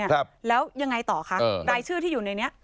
ครับแล้วยังไงต่อคะรายชื่อที่อยู่ในนี้